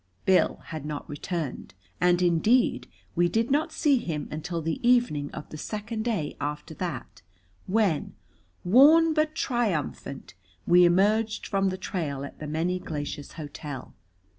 Bill had not returned, and, indeed, we did not see him until the evening of the second day after that, when, worn but triumphant, we emerged from the trail at the Many Glaciers Hotel.